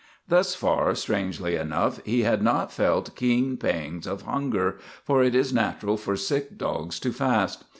Thus far, strangely enough, he had not felt keen pangs of hunger, for it is natural for sick dogs to fast.